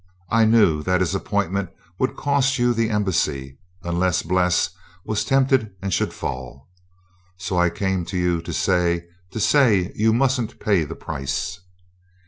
I knew that his appointment would cost you the embassy unless Bles was tempted and should fall. So I came to you to say to say you mustn't pay the price."